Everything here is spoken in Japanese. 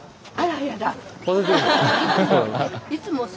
いつもさ